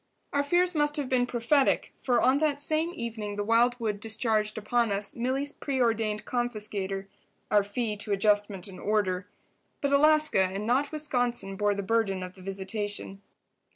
Our fears must have been prophetic, for on that same evening the wildwood discharged upon us Milly's preordained confiscator—our fee to adjustment and order. But Alaska and not Wisconsin bore the burden of the visitation.